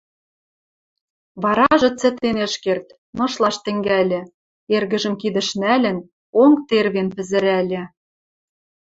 Варажы цӹтен ӹш керд, нышлаш тӹнгӓльӹ, эргӹжӹм кидӹш нӓлӹн, онг тервен пӹзӹрӓльӹ.